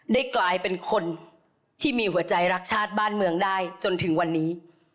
ได้กลายเป็นคนที่มีหัวใจรักชาติบ้านเมืองได้จนถึงวันนี้